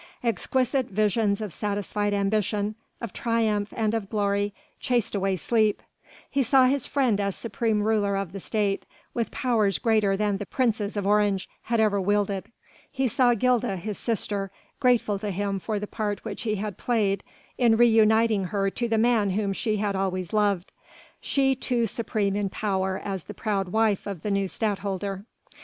Exquisite visions of satisfied ambition, of triumph and of glory chased away sleep: he saw his friend as supreme ruler of the State, with powers greater than the Princes of Orange had ever wielded: he saw Gilda his sister grateful to him for the part which he had played in re uniting her to the man whom she had always loved, she too supreme in power as the proud wife of the new Stadtholder.